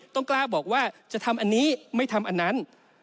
กล้าบอกว่าจะทำอันนี้ไม่ทำอันนั้น